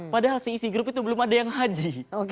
padahal seisi grup itu belum ada yang haji